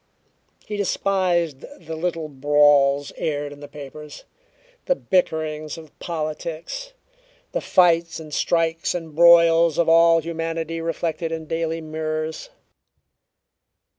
He despised the little brawls aired in the papers, the bickerings of politics, the fights and strikes and broils of all humanity reflected in daily mirrors.